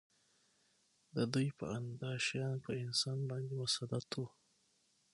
د دوی په اند دا شیان په انسان باندې مسلط وو